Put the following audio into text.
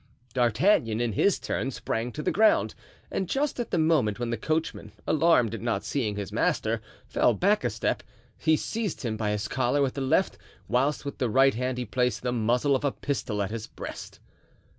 D'Artagnan, in his turn, sprang to the ground, and just at the moment when the coachman, alarmed at not seeing his master, fell back a step, he seized him by his collar with the left, whilst with the right hand he placed the muzzle of a pistol at his breast.